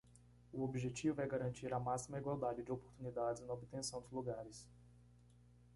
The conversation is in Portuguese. O objetivo é garantir a máxima igualdade de oportunidades na obtenção dos lugares.